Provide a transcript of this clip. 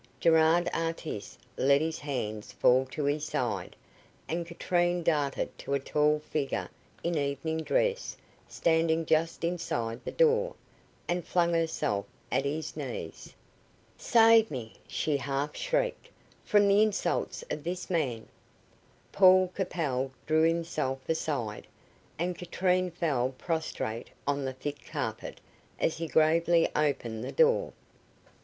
Gerard Artis let his hands fall to his side, and Katrine darted to a tall figure in evening dress standing just inside the door, and flung herself at his knees. "Save me!" she half shrieked, "from the insults of this man." Paul Capel drew himself aside, and Katrine fell prostrate on the thick carpet, as he gravely opened the door.